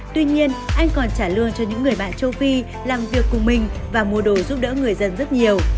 tuy nhiên anh còn trả lương cho những người bạn châu phi làm việc cùng mình và mua đồ giúp đỡ người dân rất nhiều